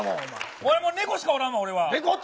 俺はもう猫しかおらんねん、俺は。